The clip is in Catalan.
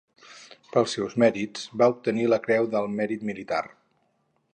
Pels seus mèrits, va obtenir la Creu del Mèrit Militar.